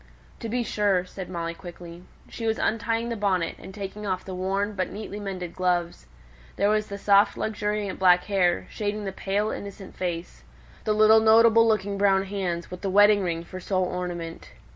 "To be sure!" said Molly, quickly. She was untying the bonnet, and taking off the worn, but neatly mended gloves; there was the soft luxuriant black hair, shading the pale, innocent face, the little notable looking brown hands, with the wedding ring for sole ornament.